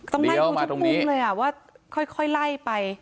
ต้องไล่ทุกทุกภูมิเลยอ่ะว่าค่อยไล่ไป